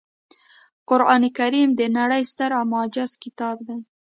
قرانکریم د نړۍ ستر او معجز کتاب دی